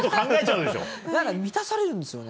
なんか満たされるんですよね。